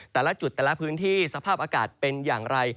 แต่ละจุดแต่ละพื้นที่สภาพอากาศเป็นอย่างไร